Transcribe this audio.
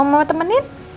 mau mama temenin